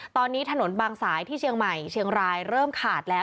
ตอนนี้ถนนบางสายที่เชียงใหม่เชียงรายเริ่มขาดแล้ว